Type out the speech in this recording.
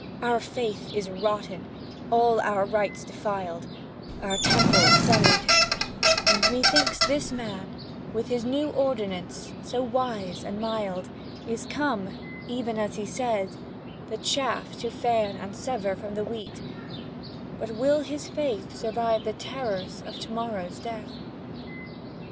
Our faith is rotten, all our rites defiled, Our temples sullied, and, methinks, this man, With his new ordinance, so wise and mild, Is come, even as He says, the chaff to fan And sever from the wheat; but will his faith Survive the terrors of to morrow's death?